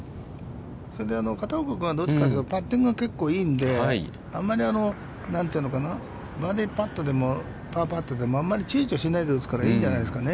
それで片岡君はどっちかというとパッティングが結構いいんで、あんまりバーディーパットでも、パーパットでもあんまりちゅうちょしないで打つからいいんじゃないですかね。